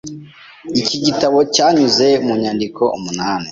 Iki gitabo cyanyuze mu nyandiko umunani.